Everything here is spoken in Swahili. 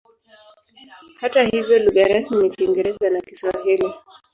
Hata hivyo lugha rasmi ni Kiingereza na Kiswahili.